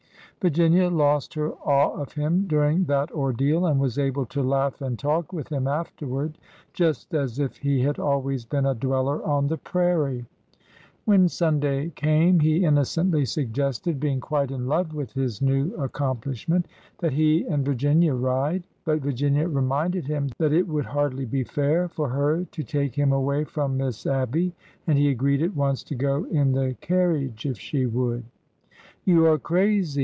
Virginia lost her awe of him during that ordeal, and was able to laugh and talk with him afterward, just as if he had always been a dweller on the prairie. When Sunday came, he innocently suggested (being quite in love with his new accomplishment) that he and Virginia ride ; but Virginia reminded him that it would hardly be fair for her to take him away from Miss Abby, and he agreed at once to go in the carriage if she would. You are crazy